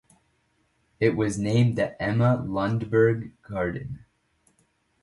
It was named the Emma Lundberg Garden.